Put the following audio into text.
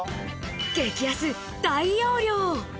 激安、大容量。